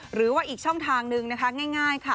หรือว่าอีกช่องทางนึงนะคะง่ายค่ะ